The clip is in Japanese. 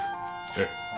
えっ？